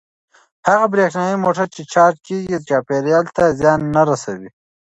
هغه برېښنايي موټر چې چارج کیږي چاپیریال ته زیان نه رسوي.